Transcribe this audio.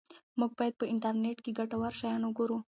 موږ باید په انټرنیټ کې ګټور شیان وګورو.